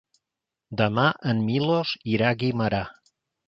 Demà en Milos irà a Guimerà.